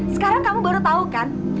sekarang kamu baru tahu kan